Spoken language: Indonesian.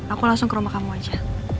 aku langsung ke rumah kamu aja